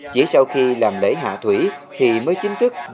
chỉ sau khi làm lễ hạ thủy thì mới chính thức